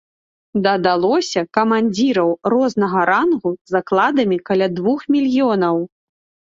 Дадалося камандзіраў рознага рангу з акладамі каля двух мільёнаў.